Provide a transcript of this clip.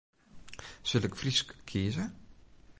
Sil ik Frysk kieze?